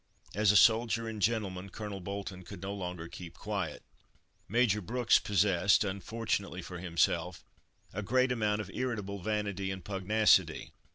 As a soldier and gentleman, Colonel Bolton could no longer keep quiet. Major Brooks possessed, unfortunately for himself, a great amount of irritable vanity and pugnacity.